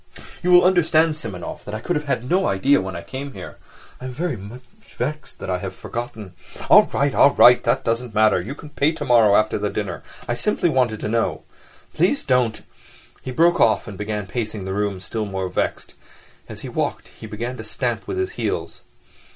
"You will understand, Simonov, that I could have no idea when I came here.... I am very much vexed that I have forgotten...." "All right, all right, that doesn't matter. You can pay tomorrow after the dinner. I simply wanted to know.... Please don't..." He broke off and began pacing the room still more vexed. As he walked he began to stamp with his heels.